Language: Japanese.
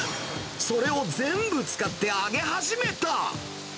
それを全部使って揚げ始めた。